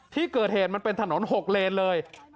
ที่เกิดเหตุมันเป็นถนน๖เลนเลย